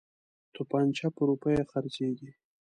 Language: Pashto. توپنچه په روپیو خرڅیږي.